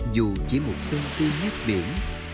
dù chỉ một sân khu nét biển